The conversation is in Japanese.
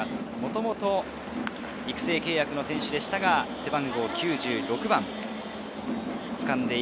もともと育成契約の選手でしたが、背番号９６。